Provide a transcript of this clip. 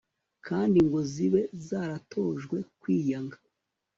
kandi ngo zibe zaratojwe kwiyanga